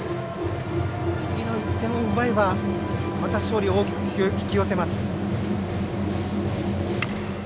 次の１点を奪えば、また勝利を大きく引き寄せます。